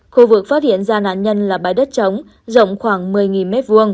khu vực phát hiện ra nạn nhân là bãi đất chống rộng khoảng một mươi m hai